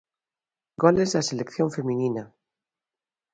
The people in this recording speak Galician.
Goles da selección feminina.